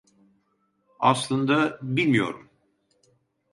Aslında, bilmiyorum.